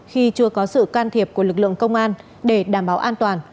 khi chưa có sự can thiệp của lực lượng công an để đảm bảo an toàn